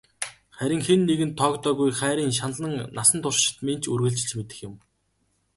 Харин хэн нэгэнд тоогдоогүй хайрын шаналан насан туршид минь ч үргэлжилж мэдэх юм.